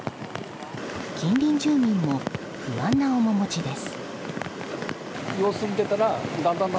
近隣住民も不安な面持ちです。